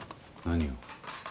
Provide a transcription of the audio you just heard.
何を？